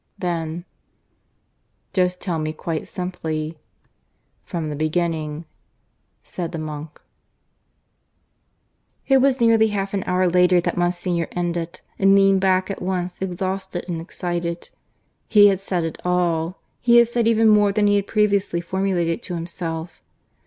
Then "Just tell me quite simply, from the beginning," said the monk. (VI) It was nearly half an hour later that Monsignor ended, and leaned back, at once exhausted and excited. He had said it all he had said even more than he had previously formulated to himself.